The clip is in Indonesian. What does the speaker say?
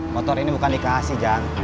motor ini bukan dikasih jangan